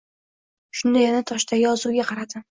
Shunda yana toshdagi yozuvga qaradim